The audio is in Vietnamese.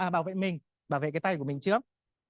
bảo vệ mình bảo vệ cái tay của mình trước